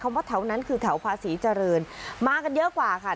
ว่าแถวนั้นคือแถวภาษีเจริญมากันเยอะกว่าค่ะ